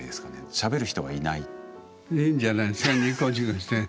しゃべる人がいない。